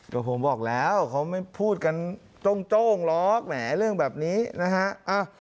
ก็ผมบอกแล้วเขาไม่พูดกันโต้งหรอกแหมเรื่องแบบนี้นะฮะ